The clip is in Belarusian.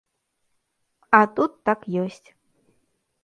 А тут так ёсць.